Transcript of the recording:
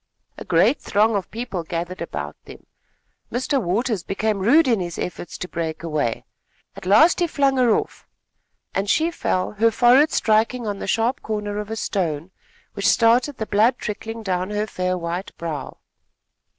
A great throng of people gathered about them. Mr. Waters became rude in his efforts to break away. At last he flung her off, and she fell, her forehead striking on the sharp corner of a stone, which started the blood trickling down her fair white brow.